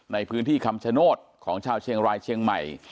ในพื้นที่คำชโนธของชาวเชียงรายเชียงใหม่